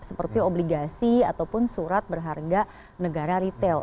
seperti obligasi ataupun surat berharga negara retail